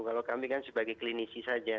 kalau kami kan sebagai klinisi saja